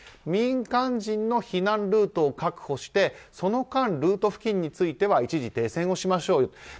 民間人の避難ルートを確保してその間ルート付近については一時停戦をしましょうと。